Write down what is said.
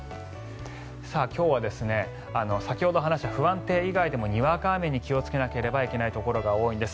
今日は先ほど話した不安定以外にもにわか雨に気をつけないといけないところが多いんです。